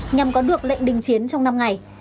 nhằm có được lệnh đình chiến trong năm ngày